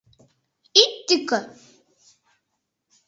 «Ит тӱкӧ!